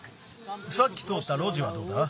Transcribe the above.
さっきとおったろじはどうだ？